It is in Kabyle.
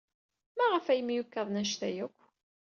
Maɣef ay myukaḍen anect-a akk?